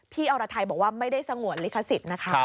อรไทยบอกว่าไม่ได้สงวนลิขสิทธิ์นะคะ